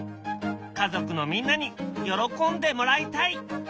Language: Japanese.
家族のみんなに喜んでもらいたい。